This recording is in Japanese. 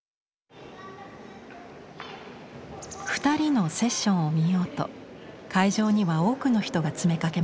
２人のセッションを見ようと会場には多くの人が詰めかけました。